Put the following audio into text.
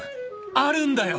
あるんだよ！